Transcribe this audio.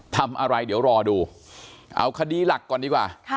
ทำอะไรเดี๋ยวรอดูเอาคดีหลักก่อนดีกว่า